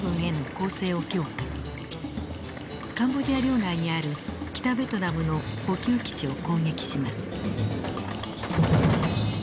カンボジア領内にある北ベトナムの補給基地を攻撃します。